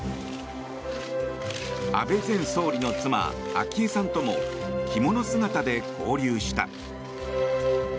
安倍前総理の妻・昭恵さんとも着物姿で交流した。